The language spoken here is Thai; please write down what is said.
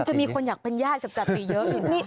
จะมีคนอยากเป็นญาติกับจติเยอะ